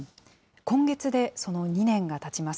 今月でその２年がたちます。